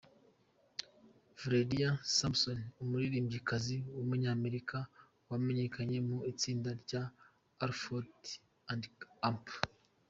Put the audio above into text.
Valerie Simpson, umuririmbyikazi w’umunyamerika wamenyekanye mu itsinda rya Ashfold &.